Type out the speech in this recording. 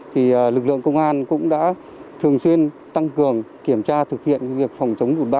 thì lực lượng công an cũng đã thường xuyên tăng cường kiểm tra thực hiện cái việc phòng chống bụt báo đặc biệt